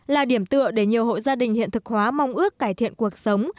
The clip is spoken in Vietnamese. là điểm tựa để nhiều hộ gia đình hiện thực hóa mong ước cải thiện cuộc sống